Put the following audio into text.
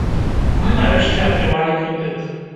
Мы нарэшце атрымалі крэдыт.